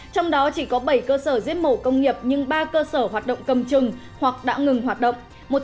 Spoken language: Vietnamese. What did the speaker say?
trong đó chỉ có bảy cơ sở giết mổ công nghiệp nhưng ba cơ sở hoạt động cầm chừng hoặc đã ngừng hoạt động